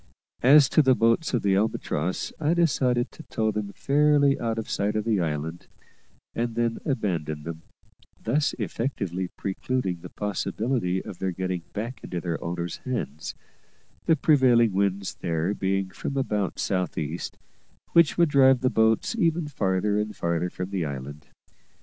As to the boats of the Albatross, I decided to tow them fairly out of sight of the island, and then abandon them; thus effectually precluding the possibility of their getting back into their owners' hands, the prevailing winds there being from about south east, which would drive the boats ever farther and farther from the island.